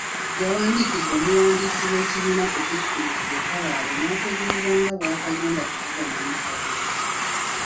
Yawandikidde Omuwandiisi w'ekibiina ku disitulikiti e Kabale n'ategeeza nga bw'atagenda kuvuganya mu kalulu.